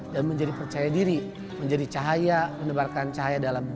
dan menjadi percaya diri menjadi cahaya mendebarkan cahaya dalam mulita